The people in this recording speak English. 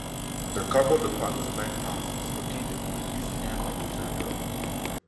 The Cabo de Palos lighthouse is located in the east end of the territory.